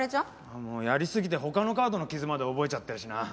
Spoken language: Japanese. やりすぎて他のカードの傷まで覚えちゃってるしな。